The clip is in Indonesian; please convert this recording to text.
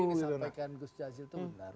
ingin disampaikan gus jazil itu benar